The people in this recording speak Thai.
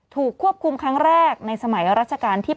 ถูกควบคุมครั้งแรกในสมัยรัชกาลที่๘